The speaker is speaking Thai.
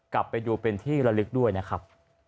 กลับไปดูเป็นที่ระลึกด้วยนะครับ